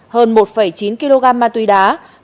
hơn một chín kg ma túy đá